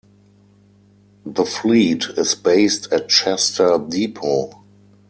The fleet is based at Chester Depot.